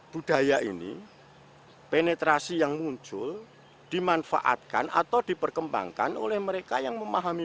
budaya ini penetrasi yang muncul dimanfaatkan atau diperkembangkan oleh mereka yang memahami